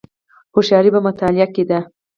هوښیاري په مطالعې کې ده